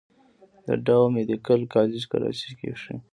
د ډاؤ ميديکل کالج کراچۍ کښې